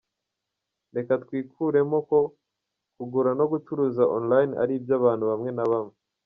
Reka twikuremo ko kugura no gucuruza online ari iby'abantu bamwe na bamwe.